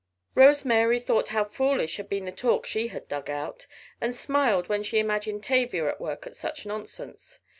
Rose Mary thought how foolish had been the talk she had "dug out," and smiled when she imagined Tavia at work at such nonsense.